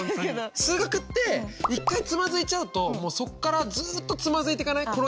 数学って一回つまずいちゃうともうそっからずっとつまずいていかない？